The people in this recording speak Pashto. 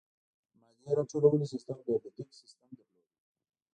د مالیې راټولولو سیستم ډېر دقیق سیستم درلود.